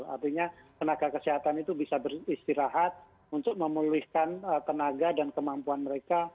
artinya tenaga kesehatan itu bisa beristirahat untuk memulihkan tenaga dan kemampuan mereka